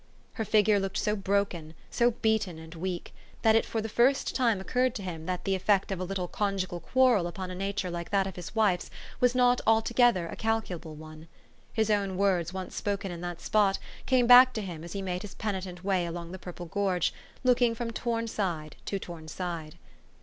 Her figure looked so broken, so beaten, and weak, that it for the first time occurred to him that the effect of a little conjugal quarrel upon a nature like that of his wife's was not altogether a calculable one. His own words once spoken in that spot came back to him as he made his penitent way along the purple gorge, looking from torn side to torn side.